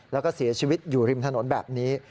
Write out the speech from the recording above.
แล้วก็เสียชีวิตอยู่ริมถนนแบบนี้